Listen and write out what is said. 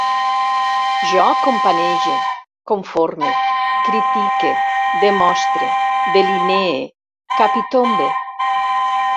Jo companege, conforme, critique, demostre, delinee, capitombe